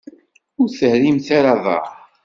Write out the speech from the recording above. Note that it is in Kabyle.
Ur terrimt ara aḍar.